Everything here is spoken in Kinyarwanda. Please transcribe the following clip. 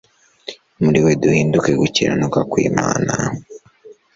muri we duhinduke gukiranuka kw imana